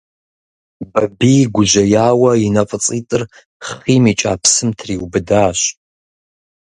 Бабий гужьеяуэ и нэ фӀыцӀитӀыр хъийм икӀа псым триубыдащ.